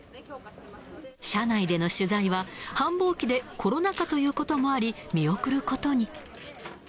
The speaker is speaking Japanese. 車内での取材は繁忙期でコロナ禍ということもあり、見送ることに。